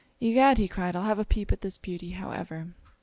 'Egad!' cried he, 'I'll have a peep at this beauty, however.'